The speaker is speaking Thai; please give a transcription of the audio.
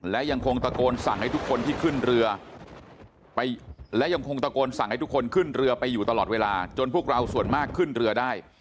และยังคงตะโกนสั่งให้ทุกคนไปขึ้นเรือตลอดเวลาจนพวกเราส่วนมากขึ้นได้